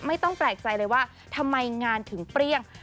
ไม่ต้องแปลกใจเลยว่าทำไมงานถึงเปรี้ยง